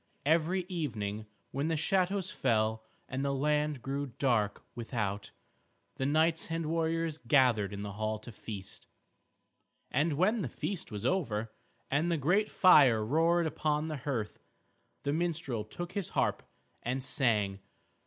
Every evening when the shadows fell, and the land grew dark without, the knights and warriors gathered in the hall to feast. And when the feast was over, and the great fire roared upon the hearth, the minstrel took his harp and sang.